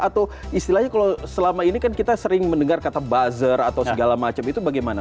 atau istilahnya kalau selama ini kan kita sering mendengar kata buzzer atau segala macam itu bagaimana